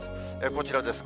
こちらです。